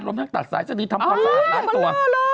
รวมทั้งตัดสายสติทำความซ้ายมาตัว